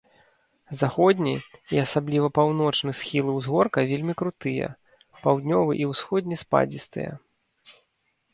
Заходні і асабліва паўночны схілы ўзгорка вельмі крутыя, паўднёвы і ўсходні спадзістыя.